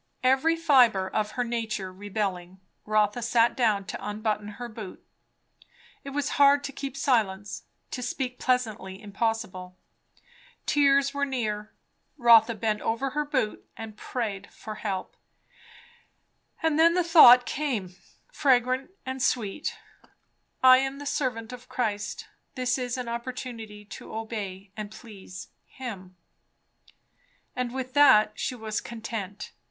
Every fibre of her nature rebelling, Rotha sat down to unbutton her boot. It was hard to keep silence, to speak "pleasantly" impossible. Tears were near. Rotha bent over her boot and prayed for help. And then the thought came, fragrant and sweet, I am the servant of Christ; this is an opportunity to obey and please him. And with that she was content.